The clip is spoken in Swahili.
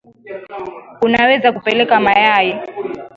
Unaweza kupeleka mayai.